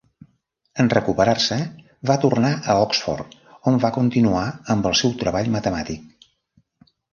En recuperar-se, va tornar a Oxford on va continuar amb el seu treball matemàtic.